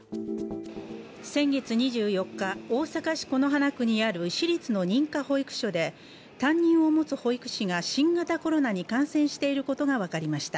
先月２４日、大阪市此花区にある私立の認可保育所で担任を持つ保育士が新型コロナに感染していることが分かりました。